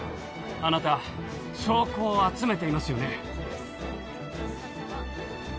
あなた証拠を集めていますよね？